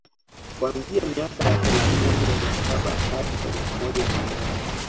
kuanzia miaka ya elfu moja mia saba hadi elfu moja mia nane